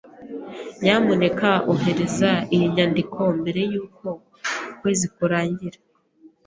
Nyamuneka ohereza iyi nyandiko mbere yuko ukwezi kurangira.